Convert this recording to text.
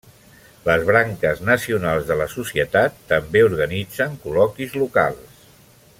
Les branques nacionals de la societat també organitzen col·loquis locals.